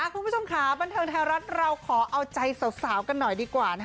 คุณผู้ชมค่ะบันเทิงไทยรัฐเราขอเอาใจสาวกันหน่อยดีกว่า